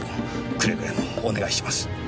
くれぐれもお願いします。